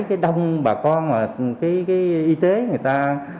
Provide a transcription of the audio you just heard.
cái đông bà con mà cái y tế người ta